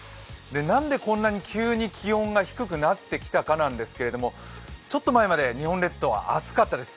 何でこんなに急に気温が低くなってきたかなんですがちょっと前まで日本列島、暑かったです。